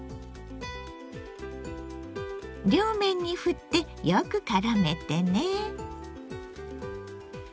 両面にふってよくからめてね。